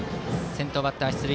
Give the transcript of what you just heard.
先頭バッター出塁。